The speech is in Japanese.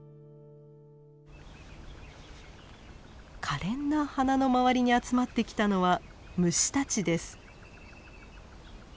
かれんな花の周りに集まってきたのは虫たちです。